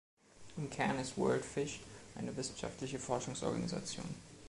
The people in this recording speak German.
Im Kern ist WorldFish eine wissenschaftliche Forschungsorganisation.